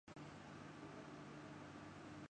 شیکھر دھون کی طیارے میں شرارتیں سوشل میڈیا پر وائرل